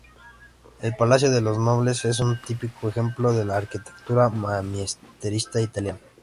El Palacio de los Nobles es un típico ejemplo de la arquitectura manierista italiana.